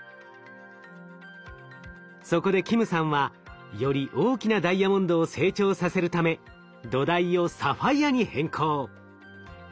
そこで金さんはより大きなダイヤモンドを成長させるため土台をサファイアに変更。